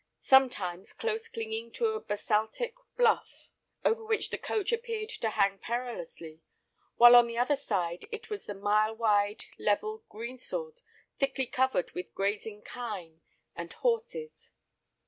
Sometimes close clinging to a basaltic bluff, over which the coach appeared to hang perilously, while on the other side was the mile wide, level greensward, thickly covered with grazing kine and horses.